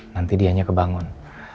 nanti dianya kebangun